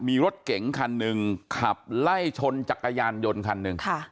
มีรถเก๋งคันหนึ่งขับไล่ชนจักรยานยนต์คันหนึ่ง